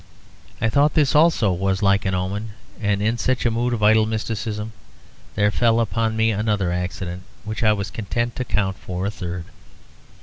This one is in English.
I thought this also was like an omen; and in such a mood of idle mysticism there fell on me another accident which I was content to count for a third.